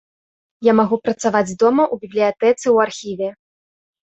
Я магу працаваць дома, у бібліятэцы, у архіве.